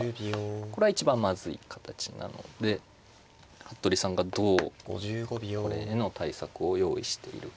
これは一番まずい形なので服部さんがどうこれへの対策を用意しているか。